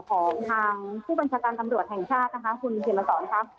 ของทางผู้บัญชาการตำรวจแห่งชาตินะคะคุณเขียนมาสอนค่ะ